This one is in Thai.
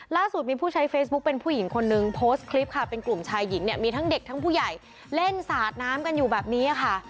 ล่าสุดมีผู้ใช้เฟซบุ๊คเป็นผู้หญิงคนนึงโพสต์คลิปค่ะเป็นกลุ่มชายหญิงเนี่ยมีทั้งเด็กทั้งผู้ใหญ่เล่นสาดน้ำกันอยู่แบบนี้ค่ะ